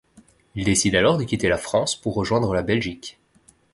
Il décide alors de quitter la France pour rejoindre la Belgique.